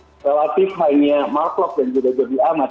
yang saya lihat di laga tersebut relatif hanya mark klopp dan juga jody amat